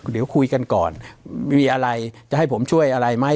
เดี๋ยวคุยกันก่อนมีอะไรจะให้ผมช่วยอะไรไหม